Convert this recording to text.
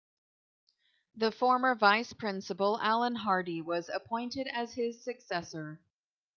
The former Vice-Principal, Allan Hardy, was appointed as his successor.